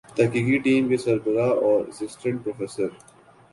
تحقیقی ٹیم کے سربراہ اور اسسٹنٹ پروفیسر